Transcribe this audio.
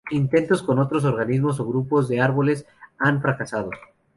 Intentos con otros organismos o grupos de árboles han fracasado.